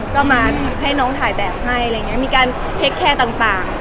ก็มาให้น้องถ่ายแบบให้มีการเทคแค่ต่าง